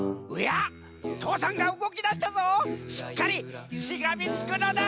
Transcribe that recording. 父山がうごきだしたぞしっかりしがみつくのだ！